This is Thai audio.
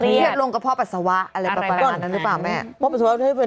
เครียดลงกระเพาะปัสสาวะอะไรประมาณนั้นหรือเปล่าแม่